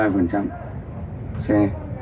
một trăm linh chuyến là bây giờ chắc đi